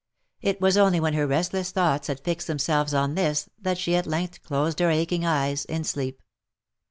It was only when her restless thoughts had fixed themselves on this, that she at length closed her aching eyes in sleep.